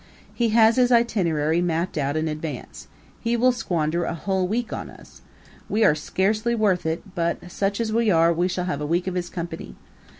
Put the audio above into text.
He has his itinerary all mapped out in advance. He will squander a whole week on us. We are scarcely worth it, but, such as we are, we shall have a week of his company!